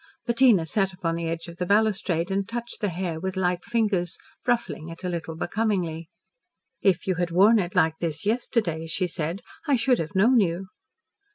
Bettina sat upon the edge of the balustrade and touched the hair with light fingers, ruffling it a little becomingly. "If you had worn it like this yesterday," she said, "I should have known you."